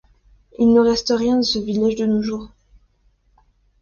Il ne reste rien de ce village de nos jours.